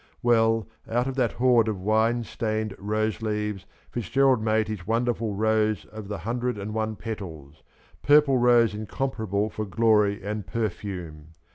Welly out of that hoard of wine stained rose leaves y FitzGerald made his wonderful Rose of the Hundred and One Petals — purple rose incomparable for glory and perfume.